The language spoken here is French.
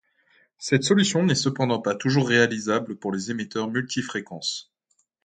Cette solution n'est cependant pas toujours réalisable pour les émetteurs multifréquences.